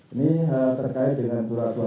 ini terkait dengan surat surat